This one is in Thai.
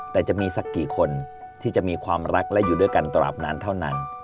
แต่จะมีสักกี่คนที่จะมีความรักและอยู่ด้วยกันตราบนานเท่านั้น